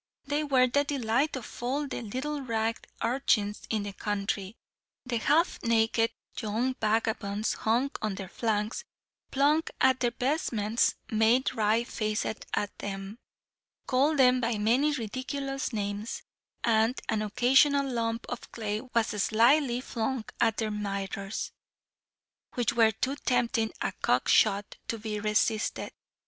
They were the delight of all the little ragged urchins in the country; the half naked young vagabonds hung on their flanks, plucked at their vestments, made wry faces at them, called them by many ridiculous names, and an occasional lump of clay was slily flung at their mitres, which were too tempting a "cock shot" to be resisted.